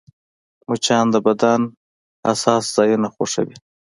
مچان د بدن حساس ځایونه خوښوي